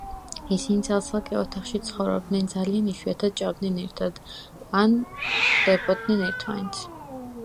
ისინი ცალ-ცალკე ოთახებში ცხოვრობდნენ და ძალიან იშვიათად ჭამდნენ ერთად, ან ხვდებოდნენ ერთმანეთს.